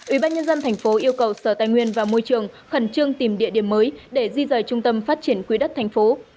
ủy ban nhân dân tp hcm yêu cầu sở tài nguyên và môi trường khẩn trương tìm địa điểm mới để di rời trung tâm phát triển quý đất tp hcm